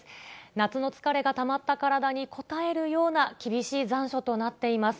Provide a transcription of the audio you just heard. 夏の疲れがたまった体にこたえるような厳しい残暑となっています。